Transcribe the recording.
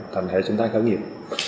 thành hệ sinh thái khởi nghiệp